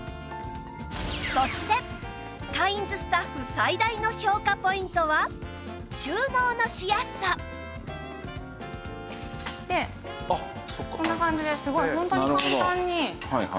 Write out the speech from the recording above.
そしてカインズスタッフ最大の評価ポイントは収納のしやすさ！でこんな感じですごいホントに。